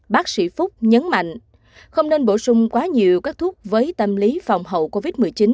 bác sĩ phúc nhấn mạnh không nên bổ sung quá nhiều các thuốc với tâm lý phòng hậu covid một mươi chín